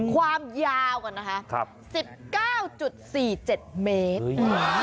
ความยาวก่อนนะคะ๑๙๔๗เมตร